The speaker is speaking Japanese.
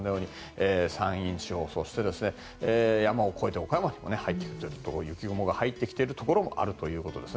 山陰地方、そして山を越えて岡山にも雪雲が入ってきているところもあるということです。